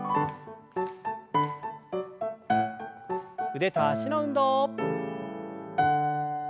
腕と脚の運動。